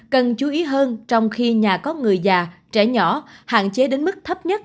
cần chú ý hơn trong khi nhà có người già trẻ nhỏ hạn chế đến mức thấp nhất